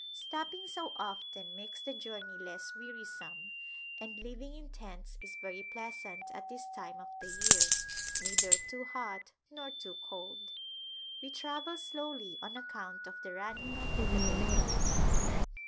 Stopping so often makes the journey less wearisome, and living in tents is very pleasant at this time of the year, neither too hot nor too cold. We travel slowly on account of the Rani and the baby.